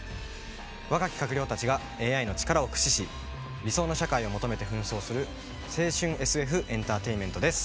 若き閣僚たちがＡＩの力を駆使し理想の社会を求めて奮闘する青春ＳＦエンターテインメントです。